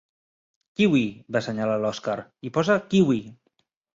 Kiwi! —va assenyalar l'Oskar— Hi posa kiwi!